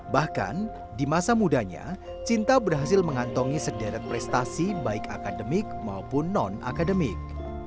bahkan di masa mudanya cinta berhasil mengantongi sederet prestasi baik akademik maupun non akademik